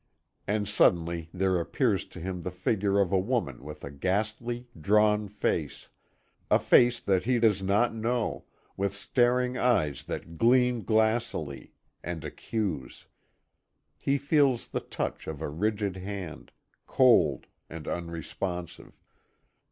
And suddenly there appears to him the figure of a woman with a ghastly, drawn face, a face that he does not know, with staring eyes that gleam glassily, and accuse. He feels the touch of a rigid hand, cold and unresponsive.